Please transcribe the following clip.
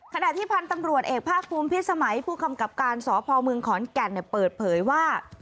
ขณะที่พันธุ์ตำรวจเอกภาคภูมิพิษสมัยผู้กำกับการสพเมืองขอนแก่นเปิดเผยว่า